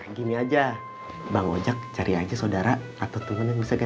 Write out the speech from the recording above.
nah gini aja bang ojek cari aja sodara atau temen yang bisa beli rumah